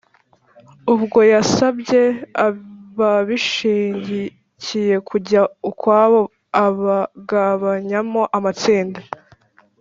Ubwo yasabye ababishyigikiye kujya ukwabo abagabanyamo amatsinda